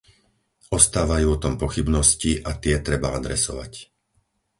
Ostávajú o tom pochybnosti a tie treba adresovať.